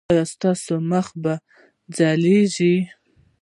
ایا ستاسو مخ به ځلیږي؟